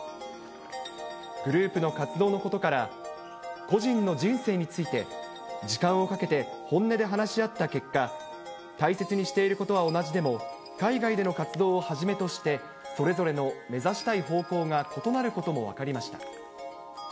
グループの活動のことから個人の人生について、時間をかけて、本音で話し合った結果、大切にしていることは同じでも、海外での活動をはじめとしてそれぞれの目指したい方向が異なることも分かりました。